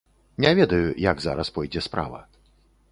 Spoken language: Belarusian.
Не ведаю, як зараз пойдзе справа.